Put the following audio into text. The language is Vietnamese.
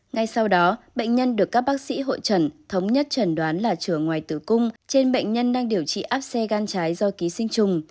ngay sau đó bệnh nhân được các bác sĩ hội trần thống nhất trần đoán là trở ngoài tử cung trên bệnh nhân đang điều trị áp xe gan trái do ký sinh trùng